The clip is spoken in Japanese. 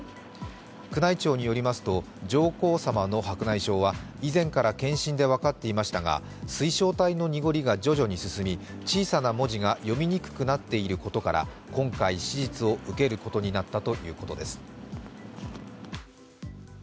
宮内庁によりますと上皇さまの白内障は以前から検診で分かっていましたが、水晶体の濁りが徐々に進み、小さな文字が読みにくくなっていることから、今回手術を受けることになったということです。